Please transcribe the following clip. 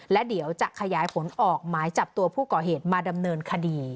และเดี๋ยวจะขยายผลออกหมายจับตัวผู้ก่อเหตุมาดำเนินคดี